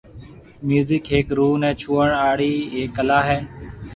ميوزڪ هيڪ روح ني ڇُوئوڻ آݪِي هيڪ ڪلا هيَ